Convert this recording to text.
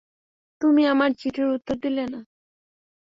তুমি আমার চিঠির উত্তর দিলে না?